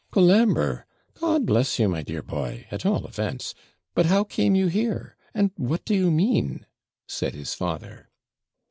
Colambre! God bless you, my dear boy! at all events. But how came you here? And what do you mean?' said his father.